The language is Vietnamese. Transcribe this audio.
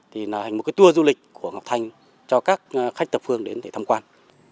thì là hành một tour du lịch của ngọc thành cho các khách tập phương đến để thăm quan